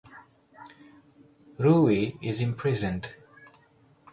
Roohi is imprisoned.